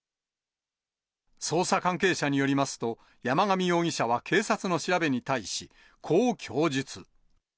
捜査関係者によりますと、山上容疑者は警察の調べに対し、こう供述。